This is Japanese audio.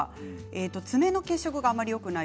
爪の血色があまりよくない。